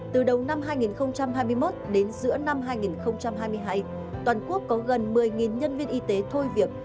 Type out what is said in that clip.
từ đầu năm hai nghìn hai mươi một đến giữa năm hai nghìn hai mươi hai toàn quốc có gần một mươi nhân viên y tế thôi việc